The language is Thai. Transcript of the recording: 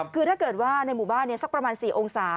คือถ้าเกิดว่าในหมู่บ้านสักประมาณ๔องศา